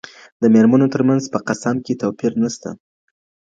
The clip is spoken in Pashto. د ميرمنو تر منځ په قسم کي توپير نسته.